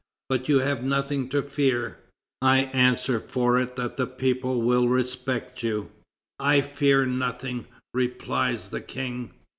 But you have nothing to fear; I answer for it that the people will respect you." "I fear nothing," replies the King.